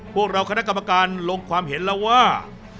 พวกเราคณะกรรมการลงความเห็นแล้วว่า